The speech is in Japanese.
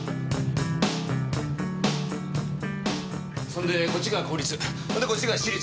そんでこっちが公立。